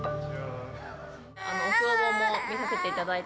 お経本も見させていただいて、